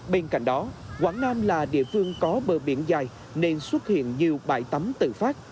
bên cạnh đó quảng nam là địa phương có bờ biển dài nên xuất hiện nhiều bãi tắm tự phát